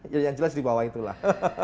ya yang jelas di bawah itulah